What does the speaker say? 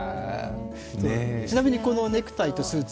ちなみにこのネクタイとスーツ